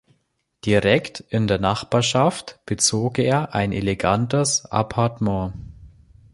Direkt in der Nachbarschaft bezog er ein elegantes Apartment.